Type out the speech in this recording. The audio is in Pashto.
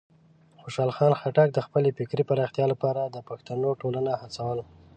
خوشحال خان خټک د خپلې فکري پراختیا لپاره د پښتنو ټولنه هڅول.